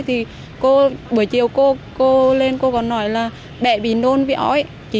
thì cô buổi chiều cô lên cô còn nói là bệ bị nôn vì ói